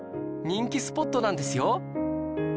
人気スポットなんですよ！